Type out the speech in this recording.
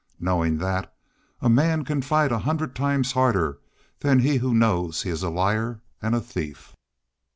Knowin' that, a man can fight a hundred times harder than he who knows he is a liar an' a thief."